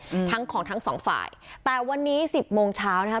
อืมทั้งของทั้งสองฝ่ายแต่วันนี้สิบโมงเช้านะคะ